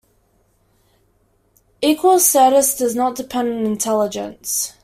Equal status does not depend on intelligence.